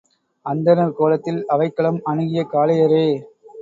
அந்தணர் கோலத்தில் அவைக்களம் அணுகிய காளையரே!